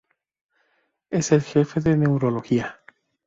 Es el jefe de neurología.